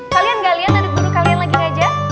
kalian gak lihat adik adik kalian lagi ngajak